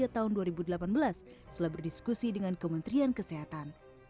tahun dua ribu delapan belas setelah berdiskusi dengan kementerian kesehatan